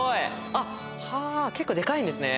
あっ結構デカいんですね。